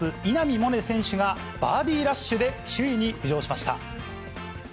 萌寧選手が、バーディーラッシュで首位に浮上しました。